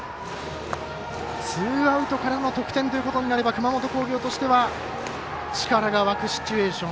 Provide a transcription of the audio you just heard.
ツーアウトからの得点ということになれば熊本工業としては力が湧くシチュエーション。